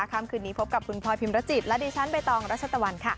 ค่ำคืนนี้พบกับคุณพลอยพิมรจิตและดิฉันใบตองรัชตะวันค่ะ